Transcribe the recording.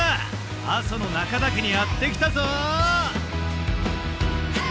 阿蘇の中岳にやって来たぞ。